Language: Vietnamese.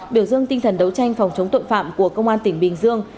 biểu dương tinh thần đấu tranh phòng chống tội phạm của công an tỉnh bình dương